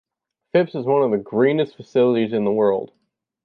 Phipps is one of the "greenest" facilities in the world.